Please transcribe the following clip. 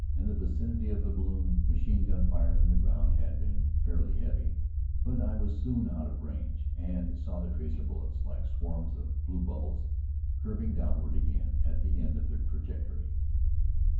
In the vicinity of the balloon, machine gun fire from the ground had been fairly heavy; but I was soon out of range, and saw the tracer bullets, like swarms of blue bubbles, curving downward again at the end of their trajectory.